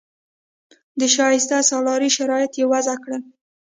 د شایسته سالارۍ شرایط یې وضع کړل.